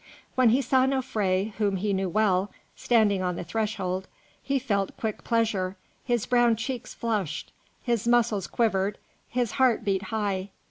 When he saw Nofré, whom he knew well, standing on the threshold, he felt quick pleasure, his brown cheeks flushed, his muscles quivered, his heart beat high.